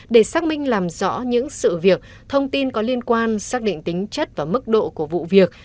để xác minh làm rõ những sự việc thông tin có liên quan xác định tính chất và mức độ của vụ việc